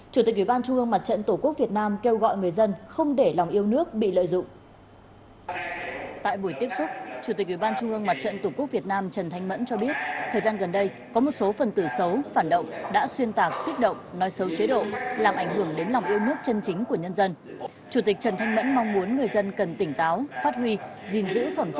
chủ tịch ubnd tổ quốc việt nam kêu gọi người dân không để lòng yêu nước bị lợi dụng